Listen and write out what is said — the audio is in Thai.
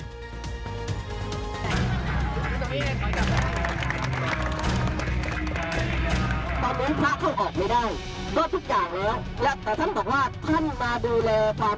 ขอขอบคุณท่องหญิงโอลี่คัมรี่พน้ำเกียรตรแพง